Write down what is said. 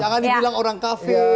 jangan dibilang orang kafir